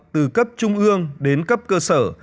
từ cấp trung ương đến cấp cơ sở